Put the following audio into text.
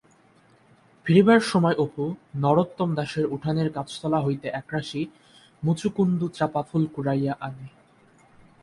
ফিরিবার সময় অপু নরোত্তম দাসের উঠানের গাছতলাটা হইতে একরাশি মুচুকুন্দ-চাঁপা ফুল কুড়াইয়া আনে।